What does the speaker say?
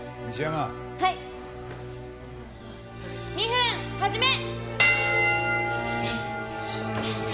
２分始め！